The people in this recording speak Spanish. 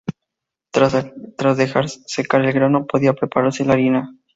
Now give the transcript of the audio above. Tras dejar secar el grano, podía prepararse la harina.